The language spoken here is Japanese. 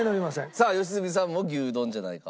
さあ良純さんも「牛丼じゃないか？」。